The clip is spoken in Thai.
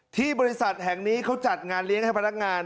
ที่บริษัทแห่งนี้เขาจัดงานเลี้ยงให้พนักงาน